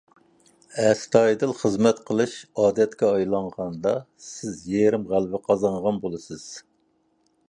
ئەستايىدىل خىزمەت قىلىش ئادەتكە ئايلانغاندا، سىز يېرىم غەلىبە قازانغان بولىسىز.